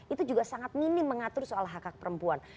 itu juga sangat minim mengatur soal hak hak perempuan